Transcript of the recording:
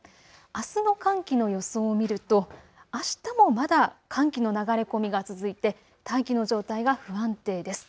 あすの寒気の様子を見るとあしたもまだ寒気の流れ込みが続いて大気の状態が不安定です。